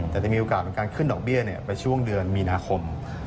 แต่จะมีโอกาสเป็นการขึ้นดอกเบี้ยไปช่วงเดือนมีนาคม